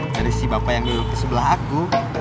dari si bapak yang dulu ke sebelah aku